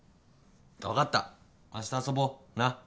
わかった明日遊ぼなっ。